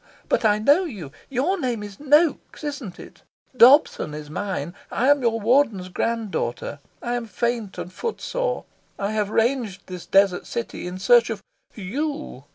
But I know you. Your name is Noaks, isn't it? Dobson is mine. I am your Warden's grand daughter. I am faint and foot sore. I have ranged this desert city in search of of YOU.